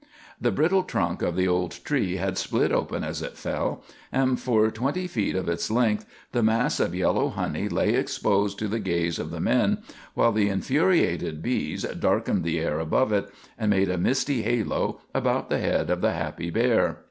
The brittle trunk of the old tree had split open as it fell, and for twenty feet of its length the mass of yellow honey lay exposed to the gaze of the men, while the infuriated bees darkened the air above it, and made a misty halo about the head of the happy bear.